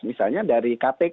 misalnya dari kpk